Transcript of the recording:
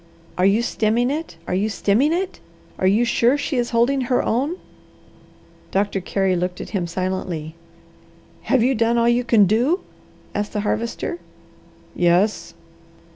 "Are you stemming it? Are you stemming it? Are you sure she is holding her own?" Doctor Carey looked at him silently. "Have you done all you can do?" asked the Harvester. "Yes."